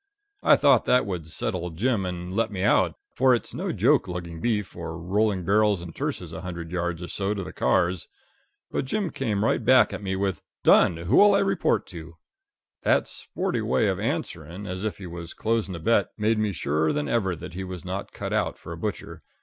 I thought that would settle Jim and let me out, for it's no joke lugging beef, or rolling barrels and tierces a hundred yards or so to the cars. But Jim came right back at me with, "Done. Who'll I report to?" That sporty way of answering, as if he was closing a bet, made me surer than ever that he was not cut out for a butcher.